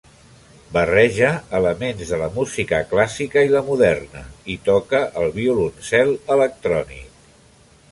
Barreja elements de la música clàssica i la moderna i toca el violoncel electrònic.